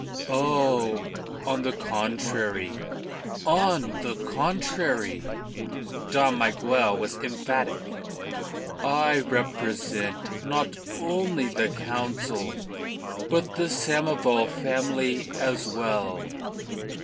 "Oh, on the contrary on the contrary!" Dom Miguel was emphatic. "I represent not only the Council, but the Samoval family as well.